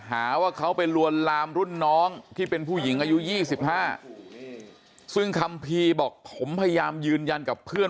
หาว่าเขาไปลวนลามรุ่นน้องที่เป็นผู้หญิงอายุ๒๕ซึ่งคัมภีร์บอกผมพยายามยืนยันกับเพื่อน